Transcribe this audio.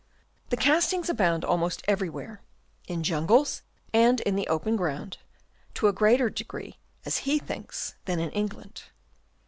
The castings abound almost everywhere, in jungles and in the open ground, to a greater degree, as he thinks, than in England.